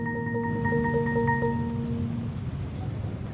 gue tanya apa kabar ah